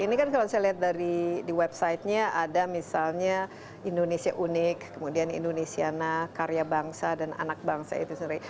ini kan kalau saya lihat dari website nya ada misalnya indonesia unik kemudian indonesianah karya bangsa dan anak bangsa itu sendiri